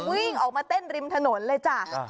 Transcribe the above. วิ่งออกมาเต้นริมถนนเลยจ้ะ